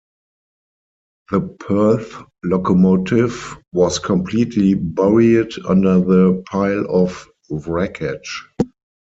The Perth locomotive was completely buried under the pile of wreckage.